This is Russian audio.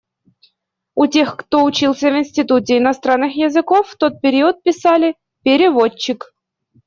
У тех, кто учился в Институте иностранных языков в тот период писали «переводчик».